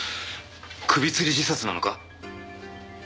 首吊り自殺なのか？